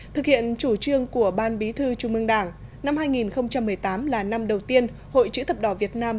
thực hiện chủ trương của ban bí thư trung mương đảng năm hai nghìn một mươi tám là năm đầu tiên hội chữ thập đỏ việt nam